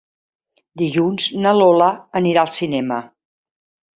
Dilluns na Lola anirà al cinema.